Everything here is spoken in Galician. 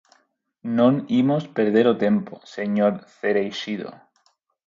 Non imos perder o tempo, señor Cereixido.